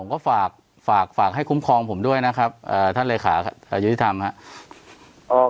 ก็ฝากฝากให้คุ้มครองผมด้วยนะครับท่านเลขาอายุทธรรมครับ